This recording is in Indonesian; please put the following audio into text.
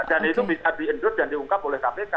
dan itu bisa diendut dan diungkap oleh kpk